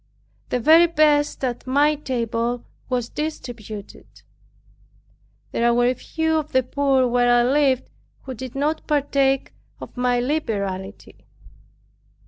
The very best at my table was distributed. There were few of the poor where I lived, who did not partake of my liberality.